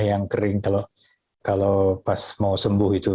yang kering kalau pas mau sembuh itu